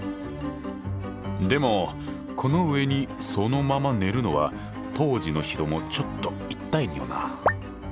でもこの上にそのまま寝るのは当時の人もちょっと痛いよな。